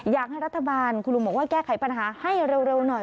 อยากให้รัฐบาลคุณลุงบอกว่าแก้ไขปัญหาให้เร็วหน่อย